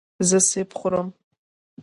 زه سیب خورم.